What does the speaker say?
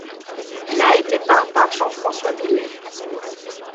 Il a été peint par Jean-François Millet.